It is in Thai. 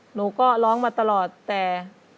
หนูก็ร้องมาตลอดแต่